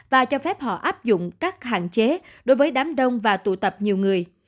và cho phép họ áp dụng các hạn chế đối với đám đông và tụ tập nhiều người